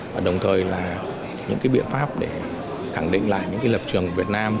và đồng thời là những biện pháp để khẳng định lại những lập trường việt nam